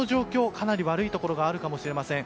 かなり悪いところがあるかもしれません。